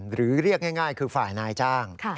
หรือเรียกง่ายคือฝ่ายนายจ้าง